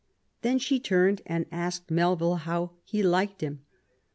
Then she turned and asked Melville how he liked him.